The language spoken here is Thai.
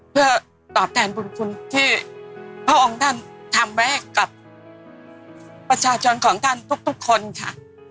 เพื่อตอบแทนบุญคุณที่พระองค์ท่านทำไว้ให้กับประชาชนของท่านทุกคนค่ะ